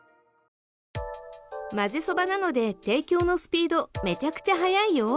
まぜそばなので提供のスピードめちゃくちゃ早いよ。